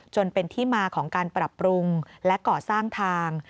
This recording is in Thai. จนเป็นที่มาของการปรับปรุงและก่อสร้างทาง